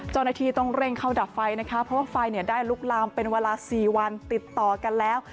จริงต้องเร่งเข้าดับไฟนะคะเพราะว่าไฟเนี่ยได้ลุกลามเป็นเวลา๔วันติดต่อกันแล้ว